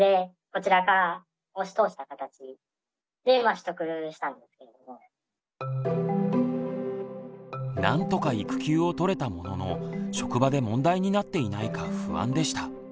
早速なんとか育休をとれたものの職場で問題になっていないか不安でした。